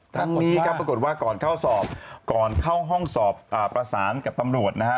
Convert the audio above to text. ทั้งนี้ครับปรากฏว่าก่อนเข้าสอบก่อนเข้าห้องสอบประสานกับตำรวจนะฮะ